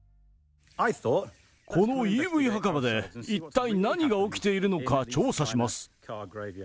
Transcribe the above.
このＥＶ墓場で一体何が起きているのか調査します。